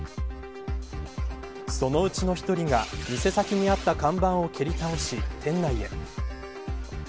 そのうちの１人が店先にあった看板を蹴り倒し、店内へ。